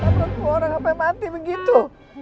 takut gua orang sampe mati begitu